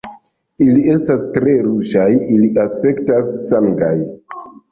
"Ili estas tre ruĝaj. Ili aspektas sangaj."